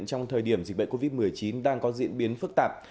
trong thời điểm dịch bệnh covid một mươi chín đang có diễn biến phức tạp